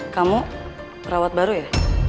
kamu perawat baru ya